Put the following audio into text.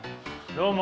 どうも。